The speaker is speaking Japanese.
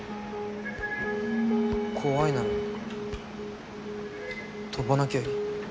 怖いなら飛ばなきゃいい。